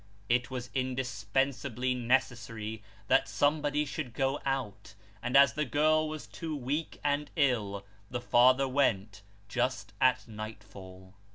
It was indispensably necessary that somebody should go out ; and as the girl was too weak and ill, the father went, just at nightfall.